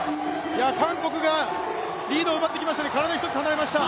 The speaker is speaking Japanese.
韓国がリードを奪ってきましたね、体一つ離れました。